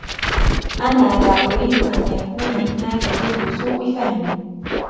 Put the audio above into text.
أنا لا أريد أن يكون هناك أي سوء فهم.